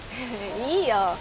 いいよ